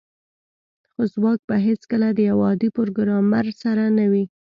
ځواک به هیڅکله د یو عادي پروګرامر سره نه وي